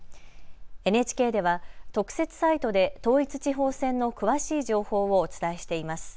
ＮＨＫでは特設サイトで統一地方選の詳しい情報をお伝えしています。